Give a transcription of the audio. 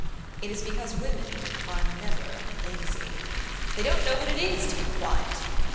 It is because women are never lazy. They don't know what it is to be quiet.